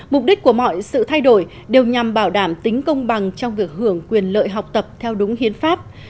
mục đích của mọi sự thay đổi đều nhằm bảo đảm tính công bằng trong việc hưởng quyền lợi học tập theo đúng hiến pháp